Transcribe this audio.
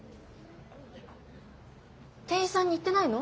店員さんに言ってないの？